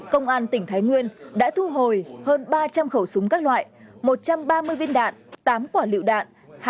công an tỉnh thái nguyên đã thu hồi hơn ba trăm linh khẩu súng các loại một trăm ba mươi viên đạn tám quả lựu đạn